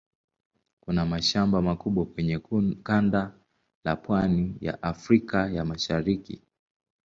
Kuna mashamba makubwa kwenye kanda la pwani ya Afrika ya Mashariki.